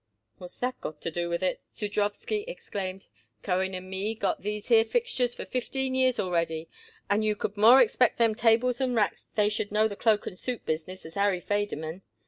"What's that got to do with it?" Zudrowsky exclaimed. "Cohen and me got these here fixtures for fifteen years already, and you could more expect them tables and racks they should know the cloak and suit business as Harry Federmann.